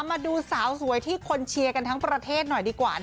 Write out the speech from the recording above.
มาดูสาวสวยที่คนเชียร์กันทั้งประเทศหน่อยดีกว่า